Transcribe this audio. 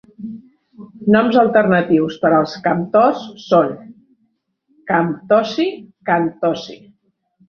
Noms alternatius per als Kamtoz són "Camtozi", "Kantozi".